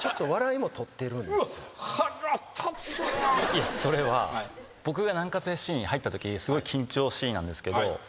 いやそれは僕が南ＳＣに入ったときすごい緊張しいなんですけど。